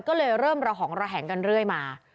ก็เลยเริ่มระหองระแหงกันเรื่อยมา